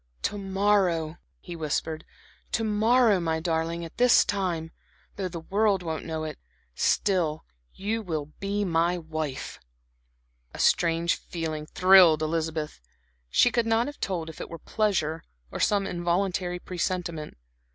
"To morrow," he whispered, "to morrow, my darling, at this time though the world won't know it still you will be my wife." A strange feeling thrilled Elizabeth. She could not have told if it were pleasure, or some involuntary presentiment.